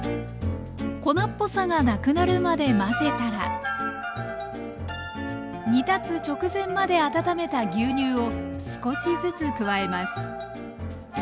粉っぽさがなくなるまで混ぜたら煮立つ直前まで温めた牛乳を少しずつ加えます。